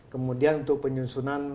kemudian untuk penyusunan